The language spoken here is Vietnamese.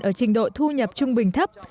ở trình độ thu nhập trung bình thấp